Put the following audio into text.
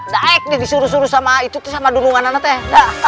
daik nih disuruh suruh sama itu teh sama dunungan anak teh